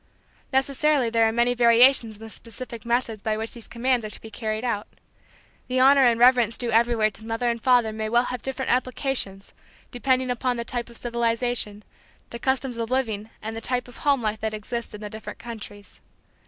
Necessarily there are many variations in the specific methods by which these commands are to be carried out. The honor and reverence due everywhere to mother and father may well have different applications, depending upon the type of civilization, the customs of living and the type of home life that exist in the different countries.